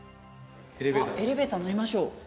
エレベーター乗りましょう。